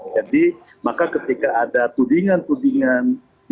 jadi maka ketika ada tudingan tudingan